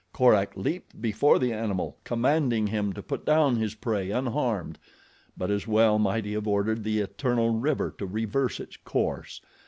Korak leaped before the animal, commanding him to put down his prey unharmed; but as well might he have ordered the eternal river to reverse its course.